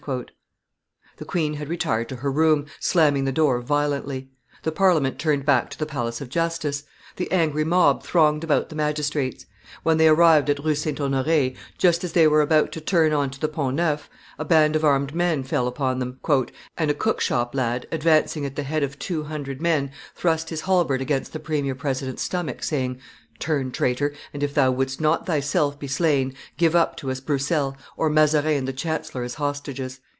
The queen had retired to her room, slamming the door violently; the Parliament turned back to the Palace of Justice; the angry mob thronged about the magistrates; when they arrived at Rue St. Honore, just as they were about to turn on to the Pont Neuf, a band of armed men fell upon them, "and a cookshop lad, advancing at the head of two hundred men, thrust his halbert against the premier president's stomach, saying, 'Turn, traitor, and, if thou wouldst not thyself be slain, give up to us Broussel, or Mazarin and the chancellor as hostages.